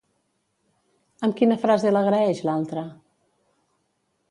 Amb quina frase l'agraeix l'altre?